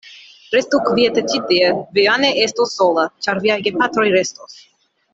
Restu kviete ĉi tie, vi ja ne estos sola, ĉar viaj gepatroj restos.